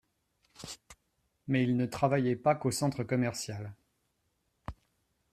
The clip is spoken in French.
Mais il ne travaillait pas qu’au centre commercial.